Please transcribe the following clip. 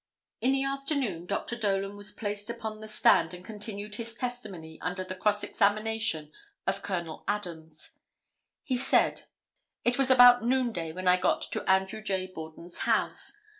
In the afternoon Dr. Dolan was placed upon the stand and continued his testimony under the cross examination of Col. Adams. He said: "It was about noonday when I got to Andrew J. Borden's house.